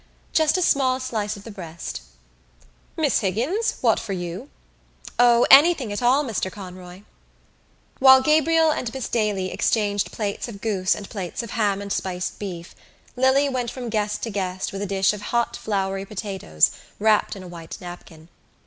"Just a small slice of the breast." "Miss Higgins, what for you?" "O, anything at all, Mr Conroy." While Gabriel and Miss Daly exchanged plates of goose and plates of ham and spiced beef Lily went from guest to guest with a dish of hot floury potatoes wrapped in a white napkin.